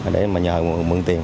để mà nhờ mượn tiền